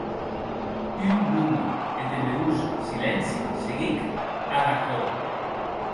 Un long e temerós silenci seguic ad aquerò.